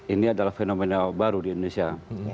ini adalah fenomena baru di indonesia